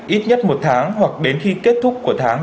ít nhất một tháng hoặc đến khi kết thúc của tháng